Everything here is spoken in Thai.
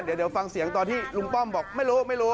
เดี๋ยวฟังเสียงตอนที่ลุงป้อมบอกไม่รู้ไม่รู้